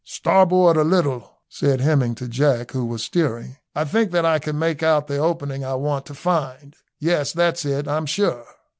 "Starboard a little," said Hemming to Jack, who was steering. "I think that I can make out the opening I want to find; yes, that's it, I'm sure."